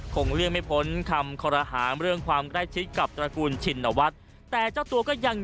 เลี่ยงไม่พ้นคำคอรหางเรื่องความใกล้ชิดกับตระกูลชินวัฒน์แต่เจ้าตัวก็ยัง